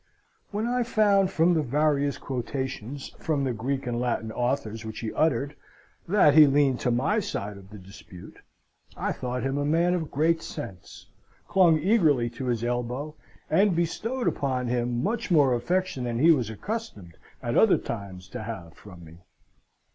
When I found from the various quotations from the Greek and Latin authors which he uttered that he leaned to my side in the dispute, I thought him a man of great sense, clung eagerly to his elbow, and bestowed upon him much more affection than he was accustomed at other times to have from me.